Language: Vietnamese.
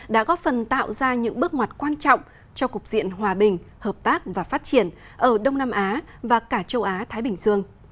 đã góp phần tạo ra những bước ngoặt quan trọng cho cục diện hòa bình hợp tác và phát triển ở đông nam á và cả châu á thái bình dương